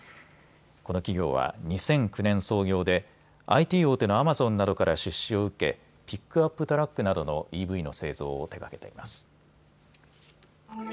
この企業は２００９年創業でＩＴ大手のアマゾンなどから出資を受けピックアップトラックなどのＥＶの製造を手がけています。